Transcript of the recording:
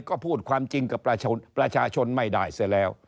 ก็พูดความจริงกับประชาชนไม่ได้เสียแล้ว